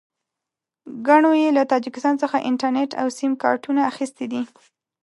ګڼو یې له تاجکستان څخه انټرنېټ او سیم کارټونه اخیستي دي.